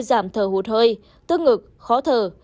giảm thở hụt hơi tức ngực khó thở